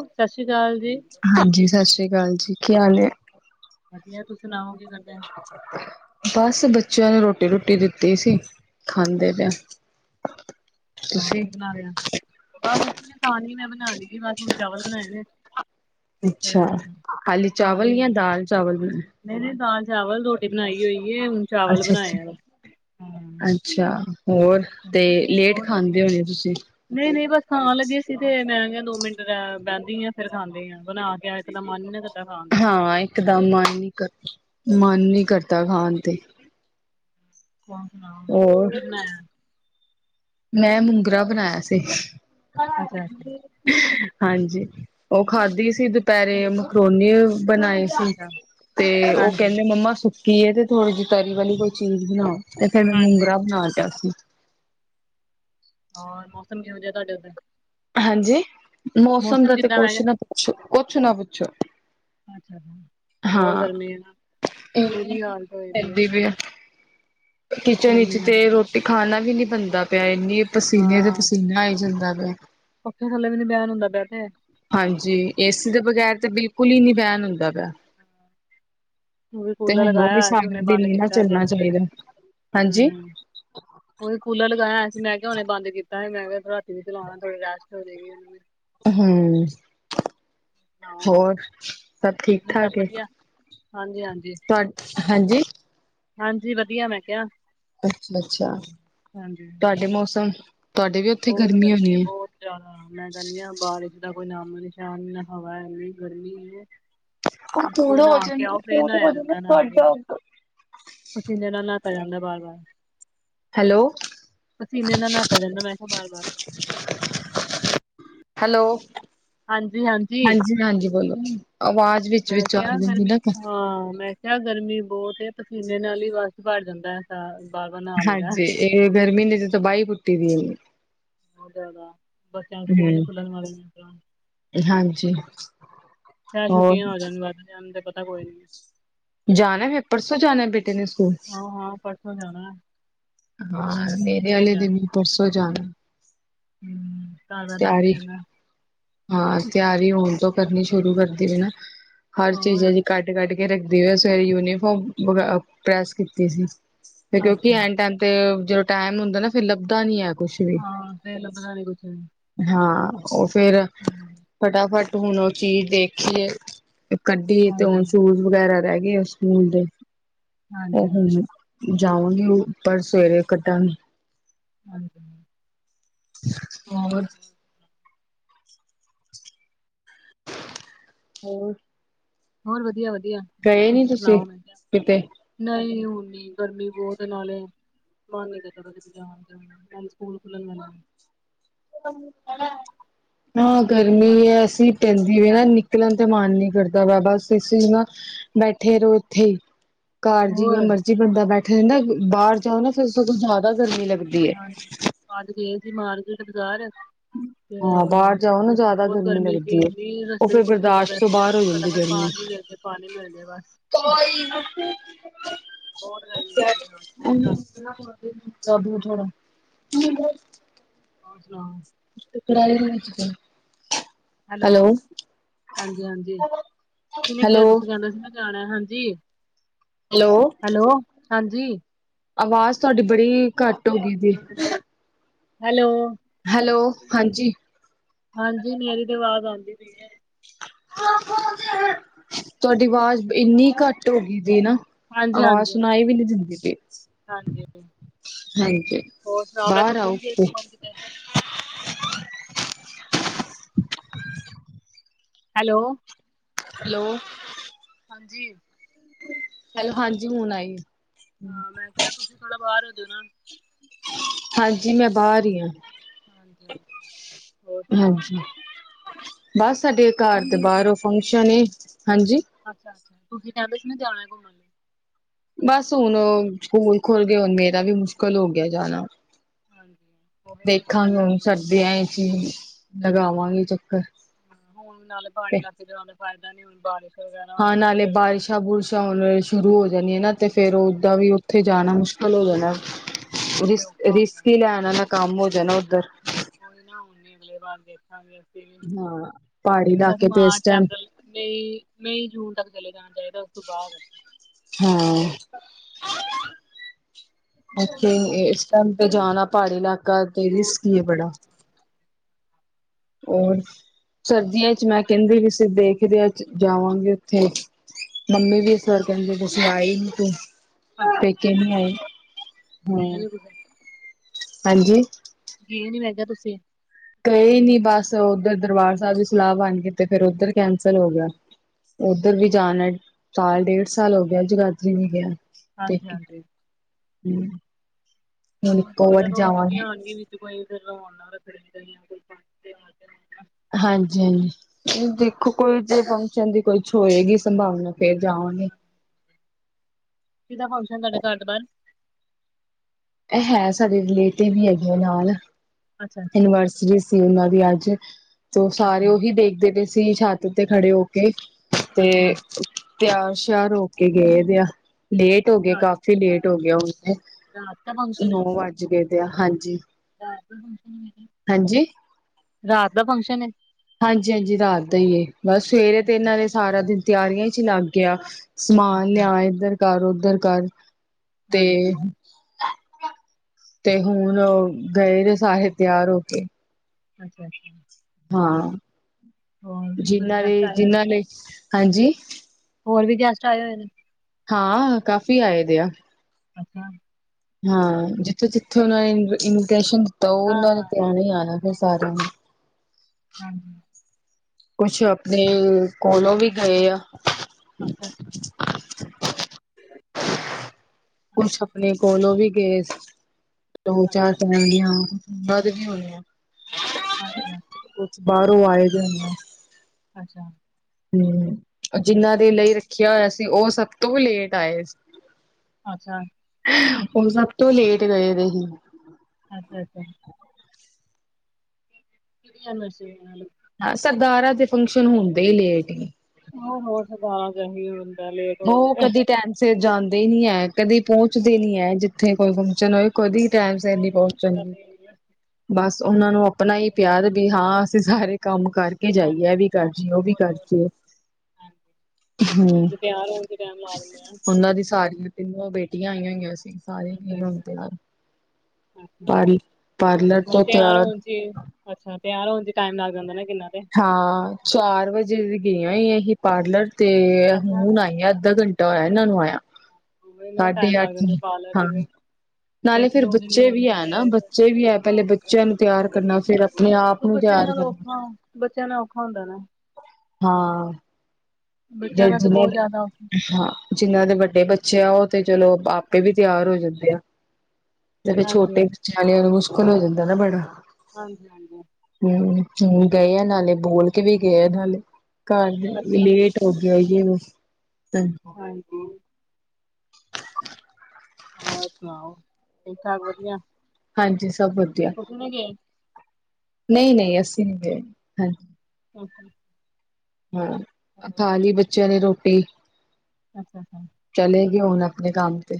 ਸਤਿ ਸ੍ਰੀ ਅਕਾਲ ਜੀ। ਹਾਂਜੀ ਸਤਿ ਸ਼੍ਰੀ ਅਕਾਲ ਜੀ ਕੀ ਹਾਲ ਹੈ। ਵਧੀਆ ਤੁਸੀਂ ਸੁਣਾਓ। ਕੀ ਕਰਦੇ ਬਸ ਬੱਚੇ ਬੱਚਿਆਂ ਨੁ ਰੋਟੀ ਰੋਟੀ ਦਿੱਤੀ ਸੀ ਖਾਂਦੇ ਪਿਆ। ਹਾਂ ਤੁਸੀਂ। ਕੀ ਬਣਾ ਰਿਹਾ ਬਸ ਮੈਂ ਬਣਾ ਲਈ ਬਸ ਹੁਣ ਚਾਵਲ ਬਣਾਏ ਨੇ। ਅੱਛਾ ਖਾਲੀ ਚਾਵਲ ਜਾਂ ਦਾਲ ਚਾਵਲ ਬਣਾਏ ਮੈਨੇ ਦਾਲ। ਚਾਵਲ ਰੋਟੀ ਬਣਾਈ ਹੋਈ। ਹੈ ਹੁਣ ਚਾਵਲ ਅੱਛਾ ਅੱਛਾ ਬਣਾਏ ਆ ਅੱਛਾ। ਹੋਰ ਤੇ ਲੇਟ ਹੋਰ ਖਾਂਦੇ ਵਧੀਆ ਹੋਣੇ ਹੋ ਤੁਸੀਂ। ਨਹੀਂ ਨਹੀਂ ਬਸ ਖਾਣ ਲੱਗੇ ਸੀ। ਤੇ ਮੈਂ ਦੋ ਮਿੰਟ ਬਹਿੰਦੀ ਆਾਂ ਫੇਿਰ ਖਾਂਦੀ ਹ ਬਣਾ ਕੇ ਆ ਇੱਕ ਦਾ ਮਨ ਖਾਣ ਦਾ ਹਾਂ। ਇੱਕਦਮ ਮਨ ਨੀ ਕਰਦਾ ਖਾਣ ਤੇ ਹੋਰ ਕੀ ਹੋਰ ਬਣਾਇਆ। ਮੈਂ ਮੁੰਗਰਾ ਬਨਾਇਆ ਸੀ। ਅੱਛਾ ਅੱਛਾ ਹਾਂਜੀ, ਓ ਖਾਧੀ ਸੀ ਦੁਪਹਿਰੇ। ਮਖਰੋਨੀ ਬਨਾਏ ਸੀ, ਅੱਛਾ ਤੇ ਓ ਹਾਂਜੀ ਕਹਿੰਦੀ ਮੰਮਾ, ਸੁ ਕੀ ਇਹ ਤੇ ਥੋੜ੍ਹੀ ਜਿਹੀ ਤਰੀ ਵਾਲੀ ਕੋਈ ਚੀਜ਼ ਬਣਾਓ, ਤੇ ਫਿਰ ਮੈਂ ਹਾਂਜੀ ਮੁੰਗਰਾ ਬਣਾ ਲਿਆ ਸੀ। ਹਰ ਮੌਸਮ ਕਿਹੋਜਾ ਤਾਡੇ ਉੱਤੇ? ਹਾਂਜੀ? ਮੌਸਮ ਦਾ ਤੇ ਮੈਂ ਕੁਛ ਕਿਹਾ ਨਾ ਪੁੱਛੋ, ਕੁਛ ਨਾ ਪੁੱਛੋ। ਅੱਛਾ ਅੱਛਾ, ਬਹੁਤ ਹਾਂ ਗਰਮੀ ਹੈ ਨਾ ਕਰਦੀ ਬੁਰੀ ਹਾਲਤ ਹੋਏ ਦੀ ਇਦਾਂ ਹੈ ਹੀ ਵੇਟ [inaudible] ਕਿਚਨ ਵਿੱਚ ਗਰਮੀ ਤੇ ਨਾਲ ਰੋਟੀ ਖਾਨਾ ਵੀ ਨੀ ਬਨਦਾ ਪਿਆਏ, ਇਨਾ ਪਸੀਨੇ ਤੇ ਹਾਂ ਪਸੀਨਾ ਆਈ ਜਾਂਦਾ। ਪਿਆ ਪੱਖੇ ਥੱਲੇ ਵੀ ਨੀ ਬਿਆਨ ਹੁੰਦਾ ਬਹਿ ਤੇ ਹਾਂਜੀ, ਏਸੀ ਦੇ ਬਗੈਰ ਤਾਂ ਬਿਲਕੁਲ ਹੀ ਨਹੀਂ ਵੈਨ ਹੁੰਦਾ ਪਿਆ। ਉਹ ਵੀ ਤੇ ਕੂਲਰ ਹੁਨ ਉਹ ਲਗਾਇਆ ਵੀ ਹੋਇਆ ਸੀ ਸਾਰਾ ਹੁਣੇ ਦਿਨ ਬੰਦ ਹੀ ਨਾ ਕੀਤਾ ਥੋੜੀ ਚੱਲਨਾ ਦੇਰ ਹੋਈ ਹੈ ਚਾਈਦਾ। ਹਮ, ਉਹੀ ਕੂਲਰ ਲਗਾਇਆ। ਮੈਂ ਕਿਹਾ ਹੁਣ ਇਹ ਬੰਦ ਕੀਤਾ ਹ, ਰਾਤੀ ਵੀ ਚਲਾਉਣਾ ਥੋੜੀ ਰੈਸਟ ਹੋ ਜੇ। ਹਮ, ਹਾਂ ਹੋਰ ਸਭ ਠੀਕ ਨੇ ਸਭ -ਠਾਕ ਏ। ਵਧੀਆ ਹਾਂਜੀ ਹਾਂਜੀ ਤੁਹਾ ਹਾਂਜੀ। ਹਾਂਜੀ ਵਧੀਆ ਮੈਂ ਕਿਹਾ। ਅੱਛਾ ਅੱਛਾ ਹਾਂਜੀ ਤੁਹਾਡੇ ਮੌਸਮ ਤੁਹਾਡੇ ਵੀ ਉੱਥੇ ਬਹੁਤ ਗਰਮੀ ਹੋਣੀ ਬਹੁਤ ਜ਼ਿਆਦਾ ਮੈਂ ਕਹਿੰਦੀ ਹਾਂ ਬਰ ਜਾਵੇ ਕੋਈ ਨਾ। ਸ਼ਾਮ ਦੀ ਹਵਾ ਐ ਗਰਮੀ ਹੈ। ਬਿਲਕੁਲ ਥੋੜੇ ਨਹਾ ਕੇ ਹੋਜਣ ਆਓ ਫੇਰ ਨਹਾਇਆ ਥੋੜੇ ਜਾਂਦਾ ਨਾਲ ਹੋਜ। ਹੀ ਪਸੀਨੇ ਨਾਲ ਨਹਾਤਾ ਜਾਂਦਾ ਬਾਰ ਬਾਰ। ਹੈਲੋ ਪਸੀਨੇ ਨਾਲ ਨਹਾਤਾ ਜਾਂਦਾ ਮੈਂ ਕਿਹਾ ਬਾਰ ਬਾਰ। ਹੈਲੋ। ਹਾਂਜੀ ਹਾਂਜੀ। ਹਾਂਜੀ ਬੋਲੋ ਆਵਾਜ਼ ਵਿੱਚ ਮੈਂ ਵਿੱਚ ਆ ਕਿਆ ਜਾਂਦੀ ਗਰਮੀ ਨਾ ਹਾਂ, ਮੈਂ ਕਿਆ ਗਰਮੀ ਬਹੁਤ ਇਹ ਪਸੀਨੇ ਨਾਲ ਈ, ਵਸ ਭਰ ਜਾਂਦਾ ਹੈ ਸ ਹਾਂਜੀ, ਇਹ ਗਰਮੀ ਨੇੇ ਚ ਤ ਬਹੀ ਪੁੱਟੀ ਦੀ ਇਹਨ [inaudible] ਹ ਪੂਲ ਫੁੱਲ ਨੂੰ [unintelligible] ਹਾਂਜੀ ਹੋਰ ਛੁੱਟੀਆਂ ਹੋ ਜਾਨ ਵਧ ਜਾਨ ਤੇ ਪਤਾ ਕੋਈ ਨੀ। ਜਾਨੈ ਫੇਰ, ਪਰਸੋਂ ਜਾਨੈ ਬੇਟੇ ਨੇ ਸਕੂਲ? ਹਾਂ-ਹਾਂ ਪਰਸੋਂ ਜਾਣਾ ਹੈ, ਹਾਂ ਮੇਰੇ ਆਲੇ ਵੀ ਪਰਸੋਂ ਜਾਨੈ। ਹਮ ਤਦਾ ਲੰਡ ਹਨ ਨਾ [inaudible] ਹਾਂ, ਤਿਆਰੀ ਹੁਨ ਤੋਂ ਕਰਨੀ ਸ਼ੁਰੂ ਕਰਦੀ ਪਇਨਾ, ਹਰ ਚੀਜ਼ ਹੋਰ ਜੀ ਕੱਢ ਕੱਢ ਰੱਖਦੀ ਹੋਈ, ਸਵੇਰੇ ਯੂਨੀਫਾਰਮ ਪ੍ਰੈਸ ਕੀਤੀ ਸੀ ਫੇਰ ਕਿਉਂਕਿ, ਅੱਛਾ ਐਨ ਟਾਈਮ ਤੇ, ਜਦੋਂ ਟਾਈਮ ਹੁੰਦਾ ਨਾ ਫੇਰ ਲੱਭਦਾ ਨੀ ਆ ਕੁਛ ਵੀ, ਹਾਂ ਫੇਰ ਲੱਭਦਾ ਨੀ ਕੁਛ ਹਾਂ। ਉਹ ਫੇਰ, ਫਟਾਫਟ ਹੁਣ ਉਹ ਚੀਜ਼ ਦੇਖੀਏ ਕੱਢੀ ਤੇ, ਹਾਂਜੀ-ਹਾਂਜੀ, ਸ਼ੂਜ ਵਗੈਰਾ ਰਹਿ ਗਏ ਆ ਸਕੂਲ ਦੇ। ਉਹ ਹਾਂਜੀ। ਹੁਣ ਜਾਵਾਂਗੀ ਉੱਪਰ, ਸਵੇਰੇ ਕੱਢਣ,। ਹਾਂਜੀ। ਹੋਰ। ਹੋਰ। ਹੋਰ ਵਧੀਆ- ਵਧੀਆ, ਗਏ ਨੀ ਤੁਸੀਂ ਸੁਣਾਓ, ਮੈਂ ਕਿਹਾ ਕਿਤੇ ਨਹੀਂ ਗਰਮੀ- ਗਰਮੀ ਬਹੁਤ ਨਾਲੇ ਮਨ ਨ ਕਰ ਕਿਤੇ ਜਾ ਸਕੂਲ ਖੁੱਲਣ ਵਾਲੇ [unintelligible] ਹਾਂ ਗਰਮੀ ਐ ਦੇਖਾਂਗੇ ਐਸੀਂ ਪੈਂਦੀ ਏ ਨਾ, ਟਾਈਮ ਨਿਕਲਣ ਤੇ ਮਨ ਨੀ। ਕਰਦਾ ਬਾਬਾ ਸਿੰਘੀ ਨਾ ਬੈਠੇ ਰਹੋ ਇੱਥੇ ਹੀ [inaudible] ਘਰ ਹੋਰ ਜਿਵੇਂ ਮਰਜ਼ੀ ਬੰਦਾ ਬੈਠੇ ਰਹਿੰਦਾ, ਬਾਹਰ ਜਾਓ ਨਾ ਫੇਰ ਉਸ ਤੋਂ ਕੋਲ ਜ਼ਿਆਦਾ ਗਰਮੀ ਲੱਗਦੀ। ਕੁਧਏ [inaudible] ਮਾਰਕਟ ਬਾਜ਼ਾਰ ਐ। ਤੇ ਹਾਂ ਬਾਹਰ ਜਾਓ ਨਾ ਉੱਥੇ ਜ਼ਿਆਦਾ ਬਹੁਤ ਗਰਮੀ ਲੱਗਦੀ ਸੀ, ਹੈ। ਨਹੀਂ ਉਹ ਰਸਤੇ ਚ ਫਿਰ ਕੁੱਛ ਹੁੰਦਾ ਬਰਦਾਸ਼ਤ ਤੋਂ ਵੈਸੇ ਮੈਂ ਬਾਹਰ ਹੋ ਜਾਂਦੀ ਫਟਾਫਟ ਗਰਮੀ। ਪਾਨੀ ਮਿਲ ਮੈਨਤਾ ਪਾਣੀ ਮਿਲ ਜਾਏ ਬਸ। ਬਹੁਤ ਗਰਮੀ ਸੀ ਬਾਜ਼ਾਰ ਚ ਬੁਰੀ ਹਾਲਤ ਬ ਥੋੜਾ। ਹੋਰ ਸੁਣਾਓ ਅਸੀ ਕੜਾਈ ਵੀ ਨਹੀਂ ਚੁੱਕਣੀ। ਹੈਲੋ, ਹਾਂਜੀ-ਹਾਂਜੀ, ਤੁਸੀਂ ਨੀ ਕਿਹਾ ਹੈਲੋ, ਤੁਸੀਂ ਜਾਣਾ ਸੀ ਨਾ ਜਾਣਾ ਹਾਂਜੀ। ਹੈਲੋ, ਹਾਂਜੀ। ਆਵਾਜ਼ ਤੁਹਾਡੀ ਬੜੀ ਘੱਟ ਹੋ ਗਈ ਜੇ। ਹੈਲੋ, ਹਾਂਜੀ ਹਾਂਜੀ, ਮੇਰੀ ਤੇ ਆਵਾਜ਼ ਆਉਂਦੀ ਪਈਏ। ਤੁਹਾਡੀ ਆਵਾਜ਼ ਇੰਨੀ ਘੱਟ ਹੋ ਗਈ ਜੇਨਾ। ਹਾਂਜੀ ਆਵਾਜ਼ ਹਾਂਜੀ ਸੁਣਾਈ ਵੀ ਹਾਂਜੀ ਨਹੀ ਦਿੰਦੀ ਪਈ। ਹਾਂਜੀ ਹਾਂਜੀ, ਹੋਰ ਸੁਣਾਓ ਮੈਂ ਬਾਹਰ ਤੁਸੀਂ ਆਓ। ਨੀ ਗਏ ਘੁੰਮਣ ਕਿਤੇ [inaudible] ਹੈਲੋ। ਹੈਲੋ। ਹਾਂਜੀ। ਹੈਲੋ ਹਾਂਜੀ, ਹੁਣ ਆਈ। ਹਾਂ, ਮੈਂ ਕਿਹਾ ਤੁਸੀਂ ਥੋੜਾ ਬਾਹਰ ਜੋ ਨਾ ਹਾਂਜੀ, ਮੈਂ ਬਾਹਰ ਈ ਆਂ। ਹਾਂਜੀ ਹਾਂਜੀ ਹੋਰ ਸੁਣਾਓ [inaudible] ਹਾਂਜੀ, ਬਸ ਸਾਡੇ ਘਰ ਤੁਸੀਂ ਨੀ ਦੇ ਗਏ ਬਾਹਰੋਂ ਘੁੰਮਣ ਤੁਸੀਂ ਫੰਕਸ਼ਨ ਏ, ਹਾਂਜੀ ਅੱਛਾ ਤੁਸੀਂ ਪੈਲਿਸ ਨੇ ਜਾਣਾ ਘੁੰਮਣ। ਬਸ ਹੁਣ ਸਕੂਲ ਖੁਲ ਗਏ, ਹੁਣ ਮੇਰਾ ਵੀ ਮੁਸ਼ਕਿਲ ਹੋ ਗਿਆ ਜਾਣਾ। ਹਾਂਜੀ। ਉਹੀ ਨਾ ਬੱਚਿਆਂ ਦੇਖਾਵਾਂਗੀ ਦੇ ਹੁਣ ਸਕੂਲ ਸੀ। ਸਰਦੀਆਂ ਵਿੱਚ ਹੀ ਲਗਾਵਾਂਗੀ ਚੱਕਰ। ਹੁਣ ਨਾਲੇ ਪਾਣੀ ਤੇ ਲਾ ਕੇ ਫਾਇਦਾ ਨਹੀਂ ਹੁਣ ਬਾਰਿਸ਼ ਵਗੈਰਾ ਹਾਂ, ਹੋਏਗੀ ਤੇ ਨਾਲੇ ਫਿਰ ਬਾਰਿਸ਼ਾਂ-ਬੁਰਸ਼ਾਂ ਸ਼ੁਰੂ ਹੋ ਜਾਣੀ ਨਾ ਤੇ ਫਿਰ ਹਾਂ ਉਦਾਂ ਵੀ ਉਥੇ ਜਾਣਾ ਮੁਸ ਹੈਲੋ, ਹਾਂ ਉੱਥੇ ਔਖਾ ਹੁੰਦਾ ਰਿਸਕੀ ਲੈਣ ਵਾਲਾ ਹਾਂ ਕੰਮ ਹੋ ਜਾਣਾ ਉਧਰ ਕੋਈ ਨਾ ਹੁਣ ਨੀ, ਦੇਖਾਂਗੇ। ਹਾਂ ਪਹਾੜੀ ਬਸ ਇਲਾਕੇ ਤੇ ਇਸ ਮਾਰਚ, ਟਾਈਮ ਅਪ੍ਰੈਲ, ਮਈ, ਜੂਨ ਤੱਕ। ਚਲੇ ਜਾਣਾ ਚਾਹੀਦਾ, ਉਸਤੋਂ ਬਾਅਦ ਹੋਰ ਏਥੇ ਸੁਣਾਓ ਐਸ ਟਾਈਮ। ਤੇ ਜਾਣਾ ਪਹਾੜੀ ਇਲਾਕਾ ਤੇ ਬਹੁਤ ਰਿਸਕੀ ਹੈ ਜ਼ਿਆਦਾ ਬੜਾ। ਔਰ ਸਰਦੀਆਂ ਚ ਮੈਂ ਕਹਿੰਦੀ ਵੀ ਸਿ ਦੇਖਦੇ ਜਾਵਾਂਗੇ ਉਥੇ ਮੰਮੀ ਵੀ ਇਸ ਵਾਰ ਕਹਿੰਦੇ ਪਏ ਸੀ ਕੀ ਆਈ ਨੀ ਤੂੰ। ਅੱਛਾ ਅੱਛਾ ਪੇਕੇ ਨੀ ਆਏ, ਗਏ ਨੀ ਤੁਸੀਂ ਹਾਂਜੀ। ਛੇ ਗਏ ਨੀ ਬਸ ਉਧਰ ਦਰਬਾਰ ਸਾਹਿਬ ਦੀ ਸਲਾਹ ਬਣ ਕੇ ਤੇ ਫਿਰ ਉਧਰ ਕੈਂਸਲ ਹੋ ਗਿਆ। ਉਧਰ ਵੀ ਜਾਨਾ ਸਾਲ-ਡੇਢ ਸਾਲ ਹੋ ਗਿਆ ਜਗਾਧਰੀ ਵੀ ਗਿਆ। ਪੇਕੇ ਹਾਂਜੀ-ਹਾਂਜੀ। ਹੂੰ। ਹੁਣ ਇੱਕੋ ਵਾਰੀ ਜਦੋਂ ਛੁਟਿਆ ਜਾਵਾਂਗੇ ਆਣਗੀਆਂ ਵਿਚ ਕੋਈ ਉਹਦੋ ਆਣਾ ਰੱਖੜੀ ਦੇ ਦਿਨ। ਹਾਂਜੀ ਜੇ ਫੰਕਸ਼ਨ ਕਹਿੰਦੀ ਕੋਈ ਹੋਏਗੀ ਸੰਭਾਵਨਾ ਫਿਰ ਜਾਵਾਂਗੇ। ਕਿਹਦਾ ਫੰਕਸ਼ਨ ਤੁਹਾਡੇ ਘਰਬਾਰ? ਇਹ ਹੈ ਸਾਡੇ ਰਿਲੇਟੇ ਵੀ ਹੈਗੇ ਨਾਲ, ਅੱਛਾ ਅੱਛਾ ਇਨਵਰਸਿਟੀ ਸੀ ਉਹਨਾਂ ਦੀ ਅੱਜ। ਸੋ ਅੱਛਾ ਸਾਰੇ ਉਹੀ ਦੇਖਦੇ ਪਏ ਸੀ ਛੱਤ ਤੇ ਖੜੇ ਹੋ ਕੇ ਤੇ ਅੱਛਾ ਤਿਆਰ ਸ਼ਾਰ ਹੋ ਕੇ ਗਏਦੇ ਆ ਲੇਟ ਹੋ ਗਏ ਰਾਤ ਕਾਫੀ ਲੇਟ ਹੋ ਗਏ। ਰਾਤ ਦਾ ਫੰਕਸ਼ਨ ਹੈ ਨੋ ਵਜ ਗਏ ਤੇ ਹਾਂਜੀ। ਰਾਤ ਦਾ ਫੰਕਸ਼ਨ ਹੈ ਹਾਂਜੀ ਰਾਤ ਦਾ ਫੰਕਸ਼ਨ ਹੇ। ਹਾਂਜੀ-ਹਾਂਜੀ ਰਾਤ ਦਾ ਹੀ ਹੈ ਬਸ ਸਵੇਰੇ ਤੇ ਅੱਛਾ ਇਹਨਾਂ ਨੇ ਸਾਰਾ ਦਿਨ ਤਿਆਰੀਆਂ ਚ ਹੀ ਲੱਗ ਗਿਆ। ਸਮਾਨ ਅੱਛਾ ਲਿਆ ਇਧਰ ਕਰ ਉਧਰ ਕਰ ਤੇ ਹਾਂਜੀ ਤੇ ਹੁਣ ਗਏ ਨੇ ਸਾਰੇ ਤਿਆਰ ਹੋ ਕੇ ਅੱਛਾ ਅੱਛਾ ਹਾ ਹੋਰ ਵੀ ਕੋਈ ਜਿਨਾ ਗੈਸਟ ਨੇ ਆਏ ਹੋਏ ਜਿਨਾ ਲਈ ਹਾਂਜੀ ਹੋਰ ਵੀ ਗੈਸਟ ਆਏ ਹੋਏ ਹਾਂ ਕਾਫੀ ਆਏ ਦੇ ਆ ਅੱਛਾ ਹਾਂ ਜਿੱਥੋਂ ਜਿੱਥੋਂ ਉਨਾਂ ਨੇ ਇੰਟੈਂਸ਼ਨ ਤਾਂ ਉਹਨਾਂ ਨੂੰ ਹਾਂ-ਹਾਂ, ਪਿਆਰ ਸਾਰਿਆਂ ਨੇ ਹਾਂ ਕੁਛ ਆਪਣੇ ਕੋਲੋ ਵੀ ਗਏ ਆ ਅੱਛਾ ਅੱਛਾ ਕੁਝ ਆਪਣੇ ਕੋਲੋ ਵੀ ਗਏ ਦੋ-ਚਾਰ ਅੱਛਾ, ਤਾ ਹੋਣਗੀਆਂ, ਬੰਦ ਨਹੀਂ ਹੋਣੀਆ। ਹਾਂਜੀ-ਹਾਂਜੀ। ਬਾਹਰੋਂ ਆਏ ਦੇ ਹੁੰਦੇ। ਅੱਛਾ। ਜਿਨਾਂ ਦੇ ਲਈ ਹੋਰ, ਰੱਖਿਆ ਹੋਇਆ ਸੀ ਉਹ ਸਭ ਤੋਂ ਵੀ ਲੇਟ ਆਏ ਸੀ। ਅੱਛਾ। ਸਭ ਤੋਂ ਲੇਟ ਗਏ ਦੇ ਸੀ। ਅੱਛਾ-ਅੱਛਾ। ਐਨਰਸਰੀ ਵੀ ਮਨਾ ਲਈ। ਹਾਂ ਸਰਦਾਰਾਂ ਦੇ ਫੰਕਸ਼ਨ ਹੁੰਦੇ ਹੀ ਲੇਟ ਨੇ। ਹੋਰ-ਹੋਰ ਸੁਧਾਰਣਾ ਚਾਹੀਦਾ ਹੈ। ਉਹ ਕਦੀ ਟਾਈਮ ਸਿਰ ਜਾਂਦੇ ਹੀ ਨਹੀਂ ਐ, ਕਦੀ ਪਹੁੰਚਦੇ ਹੀ ਨਹੀਂ ਐ, ਜਿੱਥੇ ਕੋਈ ਫੰਕਸ਼ਨ ਹੋਏ। ਕਦੇ ਟਾਈਮ ਸਿਰ ਨਹੀ ਹੋਰ-ਹੋਰ ਪਹੁੰਚਣਗੇ ਹਾਂਜੀ। ਬਸ ਉਹਨਾਂ ਨੂੰ ਆਪਣਾ ਹੀ ਪਿਆਰ ਤੇ ਹਾਂ ਅਸੀਂ ਸਾਰੇ ਕੰਮ ਕਰਕੇ ਜਾਈਏ ਇਹ ਵੀ ਕਰਜੀ ਏ ਉਹ ਵੀ ਹੋਰ-ਹੋਰ, ਕਰਜੀ ਏ, ਹਾਂਜੀ, ਹਮ ਤੇ ਤਿਆਰ ਹੋਣ ਚ ਟਾਈਮ ਲਾ ਦਿੰਦੇ ਆ, ਉਹਨਾਂ ਦੀ ਸਾਰੀਆਂ ਤਿੰਨੋ ਬੇਟੀਆਂ ਆਈਆਂ ਹੋਈਆਂ ਸੀ। ਸਾਰੇ ਹੀ ਹੁਣ ਅੱਛਾ-ਅੱਛਾ। ਤਿਆਰ ਅੱਛਾ ਪਾਰ ਪਾਰਲਰ ਮਤਲਬ ਤੋਂ ਤਿਆਰ ਹੋਣ 'ਚ, ਅੱਛਾ ਤਿਆਰ ਹੋਣ 'ਚ ਟਾਈਮ ਲੱਗ ਜਾਂਦਾ ਨਾ। ਕਿੰਨਾ ਤੇ, ਹਾਂ, ਚਾਰ ਵਜੇ ਵੀ ਗਈਆਂ ਹੀ ਅਹੀ ਪਾਰਲਰ ਤੇ ਅੱਛਾ। ਹੁਣ ਆਈਆ ਅੱਧਾ ਘੰਟਾ ਹੋਇਆ ਇਹਨਾਂ ਨੂੰ ਆਇਆ ਉਹੀ ਨਾ ਸਾਢੇ ਟਾਈਮ ਅੱਠ, ਲੱਗ ਜਾਂਦਾ ਪਾਰਲਰ ਹਾਂ ਜਿਵੇਂ, ਨਾਲੇ ਇੱਕ ਫਿਰ ਦੋ ਜਣੇ ਬੱਚੇ ਵੀ ਹੋਣਗੇ ਹੈ ਨਾ, ਤੇ ਬੱਚੇ ਵੀ ਹੈ। ਪਹਿਲੇ ਬੱਚਿਆਂ ਨੂੰ ਤਿਆਰ ਕਰਨਾ, ਫਿਰ ਆਪਣੇ ਆਪ ਨੂੰ ਤਿਆਰ ਧੀਆਂ ਨਾਲ ਕਰਨਾ ਔਖਾ, ਬੱਚਿਆਂ ਨਾਲ ਔਖਾ ਹੁੰਦਾ ਨਾ ਬੱਚਿਆਂ ਜਾਂ ਨਾਲ ਤਾਂ ਜਿਹਨਾਂ ਬਹੁਤ ਦੇ, ਜ਼ਿਆਦਾ ਔਖਾ ਹਾਂ, ਜਿੰਨਾਂ ਦੇ ਵੱਡੇ ਬੱਚੇ ਬੱਚੇ ਉਹ ਤਾਂ ਚਲੋ ਆਪੇ ਵੀ ਤਿਆਰ ਹੋ ਜਾਂਦੇ ਆ, ਤੇ ਫਿਰ ਹਾਂਜੀ ਛੋਟੇ ਬੱਚਿਆਂ ਵਾਲੇ ਨ ਹੋ ਜਾਂਦਾ ਨਾ ਬੜਾ ਹਾਂਜੀ ਹਾਂਜੀ ਹਮ, ਗਏ ਆ ਨਾਨੀ ਬੋਲ ਕੇ ਵੀ ਗਏ ਆ ਨਾਨੀ, ਘਰ ਦੇ ਅੱਛਾ ਲੇਟ ਹੋ ਗਏ ਆ। ਹਮ ਹਾਂਜੀ ਹੋਰ ਸੁਣਾਓ, ਠੀਕ ਠਾਕ ਵਧੀਆ ਹਾਂਜੀ ਸਭ ਵਧੀਆ ਤੁਸੀਂ ਨੀ ਗਏ ਨਹੀਂ ਨਹੀਂ ਅਸੀਂ ਨਹੀਂ ਗਏ ਅੱਛਾ ਹਮ, ਖਾ ਲਈ ਬੱਚਿਆਂ ਨੇ ਰੋਟੀ [unintelligible] ਚਲੇ ਗਏ ਹੁਣ ਆਪਣੇ ਕੰਮ ਤੇ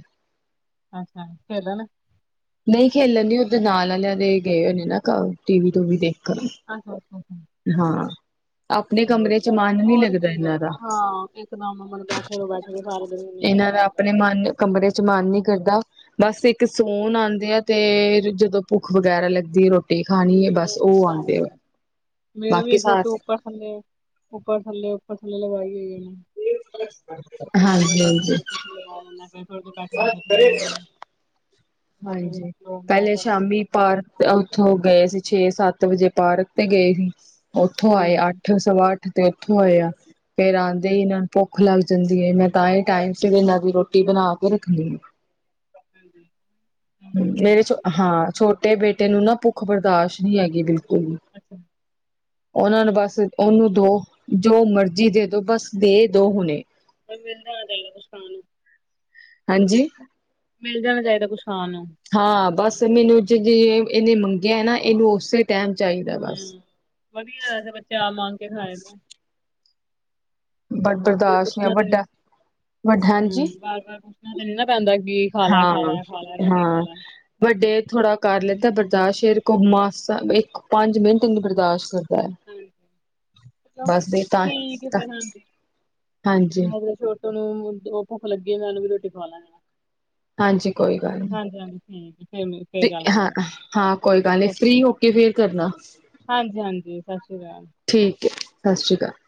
ਅੱਛਾ, ਖੇਲਣ ਨਹੀਂ ਖੇਲਣ ਨਹੀਂ ਉਹਦੇ ਨਾਲ ਵਾਲਿਆਂ ਦੇ ਗਏ ਹੋਏ ਨਾ ਘਰ ਟੀ ਵੀ ਟੂਵੀ ਦੇਖਣ ਆਹੋ ਹਾਂ ਆਪਣੇ ਚਲੋ ਕਮਰੇ ਚ ਵਧੀਆ, ਮਨ ਨੀ ਹੋਰ ਲੱਗਦਾ ਕੀ ਇਹਨਾਂ ਕਰਨਾ, ਦਾ ਹਾਂ ਇਕ ਦਮ ਬੈਠੇ ਰਹੋ ਬੈਠੇ ਰਹੋ ਸਾਰਾ ਦਿਨ ਵਿਹ ਇਹਨਾਂ ਦਾ ਆਪਣੇ ਮਨ ਕਮਰੇ 'ਚ ਮਨ ਨੀ ਕਰਦਾ। ਬਸ ਇੱਕ ਸੋਣ ਆਦੇ ਆ ਤੇ, ਜਦੋਂ ਭੁੱਖ ਵਗੈਰਾ ਲੱਗਦੀ ਰੋਟੀ ਰੋਟੀ ਖਾਣੀ ਹੈ ਬਸ ਉਹ ਆਦੇ ਐ ਮੇਰਾ ਵੀ ਛੋਟੁ ਉੱਪਰ ਥੱਲੇ ਉੱਪਰ ਥੱਲੇ ਉੱਪਰ ਥੱਲੇ ਲਗਾਈ ਹੋਈ ਐ। ਉੱਪਰ ਜਾਂਦਾ ਹਾਂਜੀ ਜਾਂਦੀ ਹਾਂਜੀ ਕੋਲ ਫਿਰ ਥੱਲੇ ਆ ਜਾਂਦਾ ਫਿਰ ਥੋੜ੍ਹੀ ਦੇਰ ਬੈਠਦਾ ਫੇਰ ਥੱਲੇ ਆ ਜਾਂਦਾ। ਹਾਂਜੀ, ਪਹਿਲੇ ਸ਼ਾਮੀ ਥੱਕ ਜਾਂਦੇ ਪਾਰਕ 'ਚ ਉੱਥੋਂ ਗਏ ਸੀ। ਛੇ ਸੱਤ ਵਜੇ ਪਾਰਕ ਤੇ ਗਏ ਸੀ, ਉੱਥੋਂ ਆਏ ਹਾਂਜੀ। ਅੱਠ ਸਵਾ ਅੱਠ ਤੇ ਉੱਥੋਂ ਆਏ ਆ ਫੇਰ ਆਦੇ ਹਾਂਜੀ ਹੀ ਇਹਨਾਂ ਨੂੰ ਭੁੱਖ ਭੁੱਖ ਲੱਗ ਜਾਂਦੀ ਹੈ ਮੈਂ ਤਾਂ ਹੀ ਟਾਈਮ ਸਿਰ ਇਹਨਾਂ ਦੀ ਰੋਟੀ ਬਣਾ ਕੇ ਰੱਖਦੀ ਹਾਂ। [unintelligible] ਮੇਰੇ ਹੂੰ ਛੋ ਠੀਕ ਐ। ਹਾਂ ਛੋਟੇ ਬੇਟੇ ਨੂੰ ਨਾ ਭੁੱਖ ਬਰਦਾਸ਼ਤ ਨਹੀਂ ਹੈਗੀ ਬਿਲਕੁਲ ਹਮ- ਅੱਛਾ ਉਹਨਾਂ ਨੂੰ ਬਸ ਉਹਨੂੰ ਦੋ, ਜੋ ਮਰਜ਼ੀ ਦੇ ਦੋ ਬਸ ਦੇ ਦੋ ਹੁਣੇ ਪਰ ਮਿਲਦਾ ਨਹੀਂ ਕੁੱਛ ਖਾਣ ਨੂੰ ਹਾਂਜੀ ਮਿਲ ਜਾਣਾ ਚਾਹੀਦਾ ਕੁਛ ਖਾਣ ਨੂੰ। ਹਾਂ ਬਸ ਮੈਨੂੰ ਜੇੇ ਜੇ ਇਹਨੇ ਮੰਗਿਆ ਨਾ ਇਹਨੂੰ ਉਸੇ ਟਾਈਮ ਚਾਹੀਦਾ ਬਸ ਹੂੰ, ਵਧੀਆ ਐ ਬੱਚੇ ਆਪ ਮੰਗ ਕੇ ਖਾਏ, ਬ ਬਰਦਾਸ਼ਤ ਨਹੀਂ ਪੁੱਛਣਾ ਤੇ ਨੀ ਵੱਡਾ ਵੱਡਾ ਹੂੰ ਬਾਰ-ਬਾਰ ਪੁੱਛਣਾ ਤੇ ਨੀ ਨਾ ਪੈਂਦਾ, ਕਿ ਖਾ ਲੈ ਖਾ ਲੈ ਖਾ ਲੈ ਰੋਟੀ ਖਾ ਹਾਂ-ਹਾਂ ਲੈ। ਵੱਡੇ ਥੋੜਾ ਕਰ ਲੈਂਤਾ ਬਰਦਾਸ਼ ਸ਼ੇਰ ਘਮਾ ਇੱਕ ਪੰਜ ਮਿੰਟ ਨੂੰ ਬਰਦਾਸਤ, ਹੂੰ, ਚਲੋ ਦੇ ਤਾਂ ਠੀਕ ਆ ਤਾਂ ਫਿਰ ਹਾਂਜੀ, ਹਾਂਜੀ ਤੁਹਾਨੂੰ ਉਹ ਭੁੱਖ ਲੱਗੀ ਮੈਂ ਉਹਨੂੰ ਵੀ ਰੋਟੀ ਖਵਾ ਲਾ ਜਾਣਾ। ਹਾਂਜੀ ਕੋਈ ਗੱਲ ਠੀਕ ਹੈ, ਫਿਰ ਫਿਰ ਨੀ ਗੱਲ ਕਰਦੇ ਹਾਂ ਹਾਂ-ਹਾਂ ਕੋਈ ਗੱਲ ਨੀ ਫ੍ਰੀ ਹੋ ਕੇ ਫੇਰ ਕਰਨਾ, ਹਾਂਜੀ-ਹਾਂਜੀ ਸਤਿ ਸ੍ਰੀ ਅਕਾਲ, ਠੀਕ ਸਤਿ ਸ਼੍ਰੀ ਅਕਾਲ